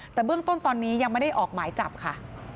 แต่เบื้องต้นตอนนี้ยังไม่ได้ออกหมายจับค่ะ